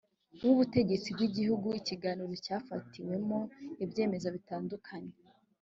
wubutegetsi bw igihugu ikiganiro cyafatiwemo ibyemezo bitandukanye